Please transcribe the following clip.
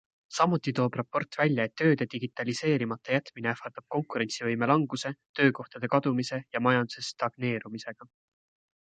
Samuti toob raport välja, et tööde digitaliseerimata jätmine ähvardab konkurentsivõime languse, töökohtade kadumise ja majanduse stagneerumisega.